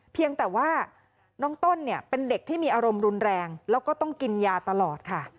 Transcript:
เพียงแต่ว่าน้องต้นเนี่ยเป็นเด็กที่มีอารมณ์รุนแรงแล้วก็ต้องกินยาตลอดค่ะ